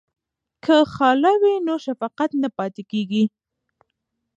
که خاله وي نو شفقت نه پاتیږي.